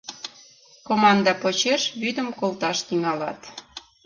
Команда почеш вӱдым колташ тӱҥалат...